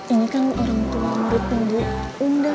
ini kan orang tua murid murid undang